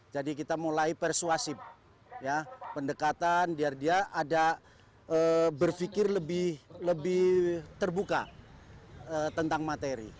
jadi kita mulai persuasif pendekatan biar dia berpikir lebih terbuka tentang materi